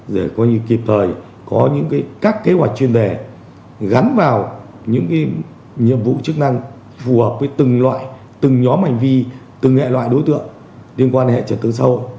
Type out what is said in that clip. để kịp thời có các kế hoạch chuyên đề gắn vào những nhiệm vụ chức năng phù hợp với từng loại từng nhóm hành vi từng hệ loại đối tượng liên quan hệ trật tương sâu